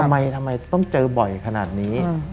ทำไมทำไมต้องเจอบ่อยขนาดนี้